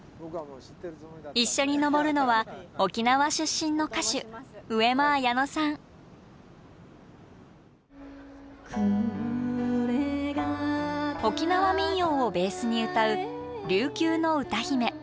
一緒に登るのは沖縄出身の歌手沖縄民謡をベースに歌う琉球の歌姫。